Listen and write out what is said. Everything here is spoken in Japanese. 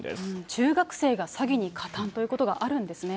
中学生が詐欺に加担ということがあるんですね。